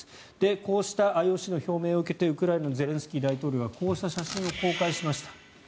こうしたＩＯＣの表明を受けてウクライナのゼレンスキー大統領はこうした写真を公開しました。